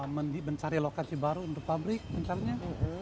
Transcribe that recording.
mencari lokasi baru untuk pabrik misalnya